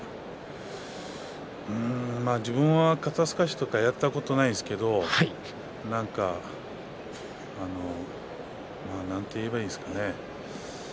自分は肩すかしとかやったことないですけれど何て言えばいいんですかね